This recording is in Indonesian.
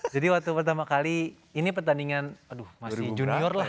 jadi waktu pertama kali ini pertandingan aduh masih junior lah